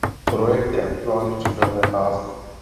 Projekt je aktuálně v přípravné fázi.